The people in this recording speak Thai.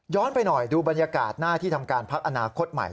ไปหน่อยดูบรรยากาศหน้าที่ทำการพักอนาคตใหม่